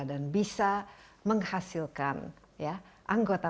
dan bisa menghasilkan anggota